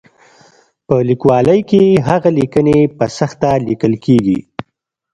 په لیکوالۍ کې هغه لیکنې په سخته لیکل کېږي.